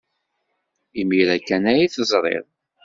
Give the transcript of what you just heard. Imir-a kan ay t-teẓriḍ.